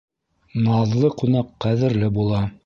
Наҙлы ҡунаҡ ҡәҙерле була.